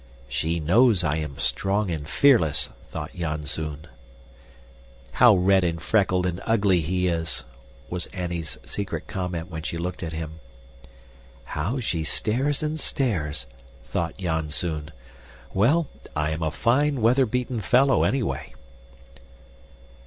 She knows I am strong and fearless, thought Janzoon. How red and freckled and ugly he is! was Annie's secret comment when she looked at him. How she stares and stares! thought Janzoon. Well, I am a fine, weather beaten fellow, anyway.